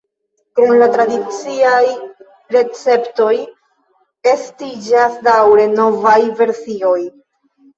Krom la tradiciaj receptoj estiĝas daŭre novaj versioj.